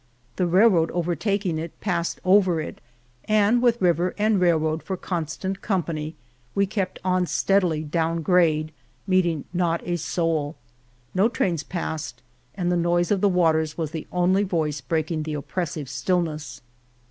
The railroad overtaking it passed over it, and with river and railroad for constant company we kept on steadily down grade, meeting not a soul. No trains passed, and the noise of the waters was the only voice breaking the oppressive stillness.